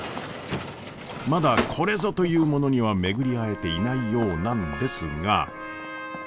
まだこれぞというものには巡り合えていないようなんですが。